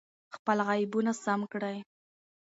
خپل عیبونه سم کړئ.